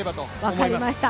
分かりました。